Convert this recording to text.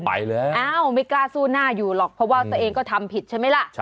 ไปแล้วอ้าวไม่กล้าสู้หน้าอยู่หรอกเพราะว่าตัวเองก็ทำผิดใช่ไหมล่ะ